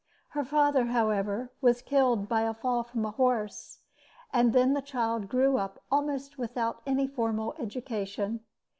Her father, however, was killed by a fall from a horse; and then the child grew up almost without any formal education.